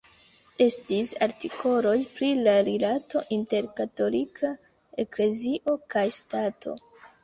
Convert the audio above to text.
Estis artikoloj pri la rilato inter Katolika Eklezio kaj Ŝtato.